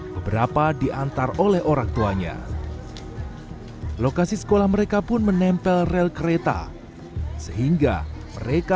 beberapa diantar oleh orang tuanya lokasi sekolah mereka pun menempel rel kereta sehingga mereka